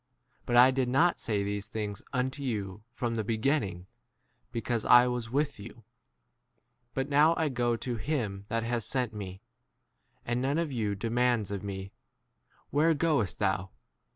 But I did not say these things unto you from [the] beginning, because I was 5 with you. But now I go to him that has sent me, and none of you demands 11 of me, Where goest 6 thou